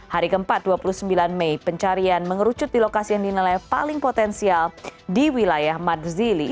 hari keempat dua puluh sembilan mei pencarian mengerucut di lokasi yang dinilai paling potensial di wilayah madzili